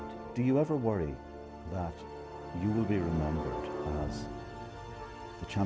apakah anda pernah khawatir bahwa anda akan diingatkan sebagai